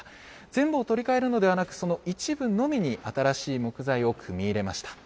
全部を取り替えるのではなく、その一部のみに新しい木材を組み入れました。